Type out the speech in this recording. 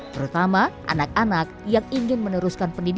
terutama anak anak yang ingin meneruskan pendidikan